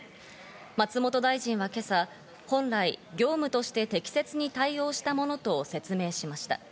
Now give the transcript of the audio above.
松本大臣は今朝、本来業務として適切に対応したものと説明しました。